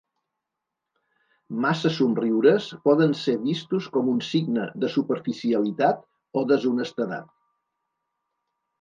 Massa somriures poden ser vistos com un signe de superficialitat o deshonestedat.